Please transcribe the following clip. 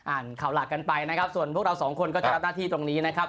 ข่าวหลักกันไปนะครับส่วนพวกเราสองคนก็จะรับหน้าที่ตรงนี้นะครับ